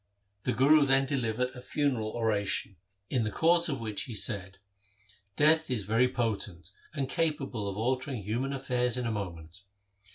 The Guru then delivered a funeral oration, in the course of which he said, ' Death is very potent and capable of altering human affairs in a moment.